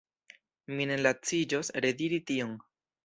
Mi ne laciĝos rediri tion.